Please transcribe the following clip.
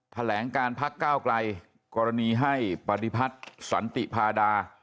แถลงการพักก้าวไกลกรณีให้ปฏิพัฒน์สันติพาดา